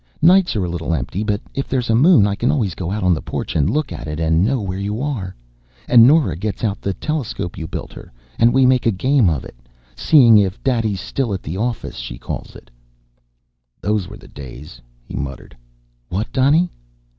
Nights are a little empty, but if there's a moon, I can always go out on the porch and look at it and know where you are. And Nora gets out the telescope you built her, and we make a game of it. 'Seeing if Daddy's still at the office,' she calls it." "Those were the days," he muttered. "What, Donny?"